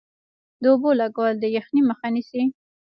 د اوبو لګول د یخنۍ مخه نیسي؟